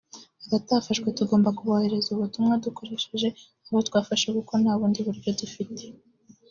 abatafashwe “tugomba kuboherereza ubutumwa dukoresheje abo twafashe kuko nta bundi buryo dufite